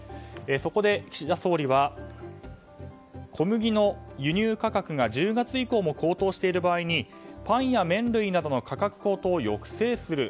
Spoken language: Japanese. そこで岸田総理は小麦の輸入価格が１０月以降も高騰している場合にパンや麺類などの価格高騰を抑制する。